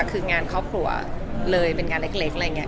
คืองานครอบครัวเลยเป็นงานเล็กอะไรอย่างนี้